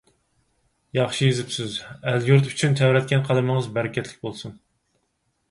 ياخشى يېزىپسىز. ئەل-يۇرت ئۈچۈن تەۋرەتكەن قەلىمىڭىز بەرىكەتلىك بولسۇن!